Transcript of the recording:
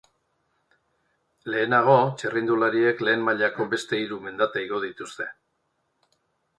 Lehenago, txirrindulariek lehen mailako beste hiru mendate igo dituzte.